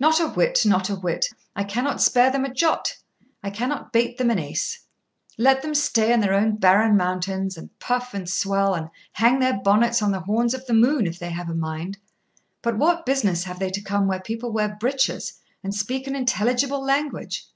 'Not a whit, not a whit; I cannot spare them a jot; I cannot bate them an ace. Let them stay in their own barren mountains, and puff and swell, and hang their bonnets on the horns of the moon, if they have a mind; but what business have they to come where people wear breeches, and speak an intelligible language?